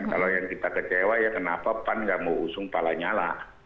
kalau yang kita kecewa ya kenapa pan nggak mau usung pak lanyala